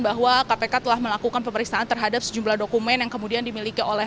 bahwa kpk telah melakukan pemeriksaan terhadap sejumlah dokumen yang kemudian dimiliki oleh